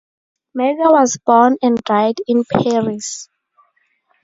Murger was born and died in Paris.